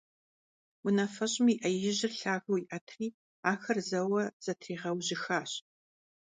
Унафэщӏым и Ӏэ ижьыр лъагэу иӀэтри, ахэр зэуэ зэтригъэужьыхащ.